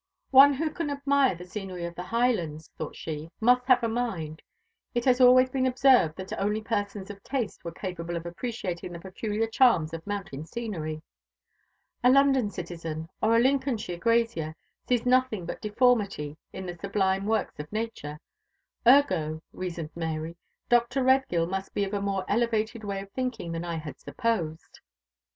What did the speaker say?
"One who can admire the scenery of the Highlands," thought she, "must have a mind. It has always been observed that only persons of taste were capable of appreciating the peculiar charms of mountain scenery. A London citizen, or a Lincolnshire grazier, sees nothing but deformity in the sublime works of nature," ergo, reasoned Mary, "Dr. Redgill must be of a more elevated way of thinking than I had supposed."